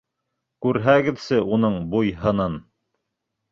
Күрһәгеҙсе уның буй-һынын!